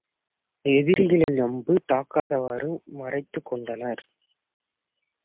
எதிரிகளின் அம்பு தாக்காதவாறு மறைத்துக் கொண்டனர்.